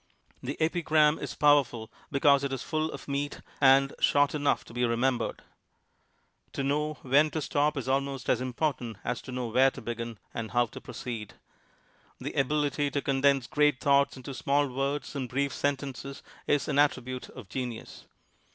The ei>'gram is powerful be cause it is full of meat an i short enough to be remembered. To know when to stop is almost as important as to know where to begin and how to proceed. The ability to condense great thoughts into small words and brief sentences is an attribute of genius.